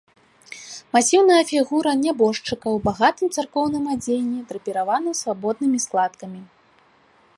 Масіўная фігура нябожчыка у багатым царкоўным адзенні, драпіраваным свабоднымі складкамі.